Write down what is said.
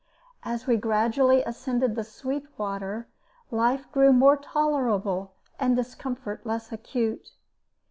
As we gradually ascended the Sweetwater, life grew more tolerable and discomfort less acute.